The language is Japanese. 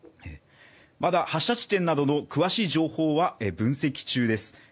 まだ発射地点などの詳しい情報は分析中です。